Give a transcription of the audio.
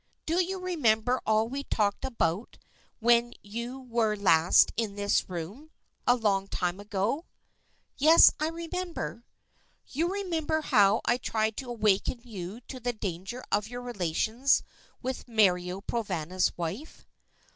Do you remember all we talked about when you were last in this room a long time ago?" "Yes, I remember." "You remember how I tried to awaken you to the danger of your relations with Mario Provana's wife."